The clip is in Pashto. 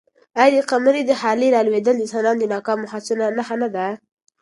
آیا د قمرۍ د خلي رالوېدل د انسان د ناکامو هڅو نښه نه ده؟